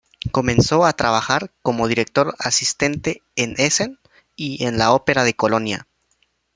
Comenzó a trabajar como director asistente en Essen y en la Ópera de Colonia.